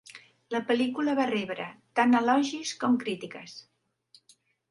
La pel·lícula va rebre tant elogis com crítiques.